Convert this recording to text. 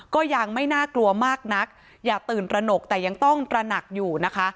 ก็ยังไม่น่ากลัวมากนักอย่าตื่นตระหนกแต่ยังต้องตระหนักอยู่นะคะ